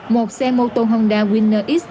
một xe mô tô honda winner x